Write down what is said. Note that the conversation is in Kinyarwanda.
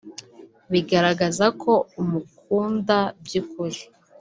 bigaragaza ko umukunda by’ukuri